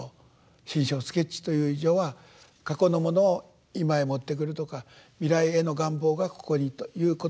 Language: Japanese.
「心象スケッチ」という以上は過去のものを今へ持ってくるとか未来への願望がここにということではない。